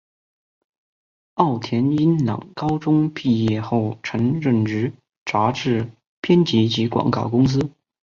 奥田英朗高中毕业后曾任职杂志编辑及广告公司。